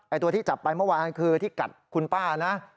ตัวที่จับไปเมื่อวานคือที่กัดคุณป้านะ